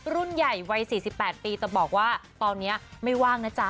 รุ่นใหญ่วัย๔๘ปีแต่บอกว่าตอนนี้ไม่ว่างนะจ๊ะ